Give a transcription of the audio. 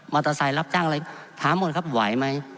เตอร์ไซค์รับจ้างอะไรถามหมดครับไหวไหม